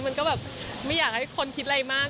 มันก็แบบไม่อยากให้คนคิดอะไรมาก